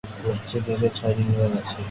পশ্চিম রেলের ছয়টি বিভাগ আছে